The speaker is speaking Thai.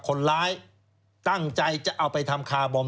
คนร้ายตั้งใจจะเอาไปทำคาร์บอม